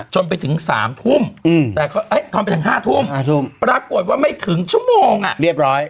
จนไปถึง๓ทุ่มแต่ก็ทำไปถึง๕ทุ่ม๕ทุ่มปรากฏว่าไม่ถึงชั่วโมงเรียบร้อย